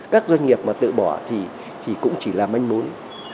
các doanh nghiệp mà tự bỏ thì cũng chỉ là manh mối